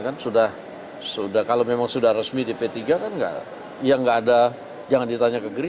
kan sudah kalau memang sudah resmi di p tiga kan yang nggak ada jangan ditanya ke gerindra